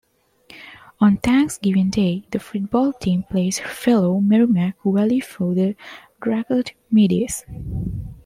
On Thanksgiving Day, the football team plays fellow Merrimack Valley foe the Dracut Middies.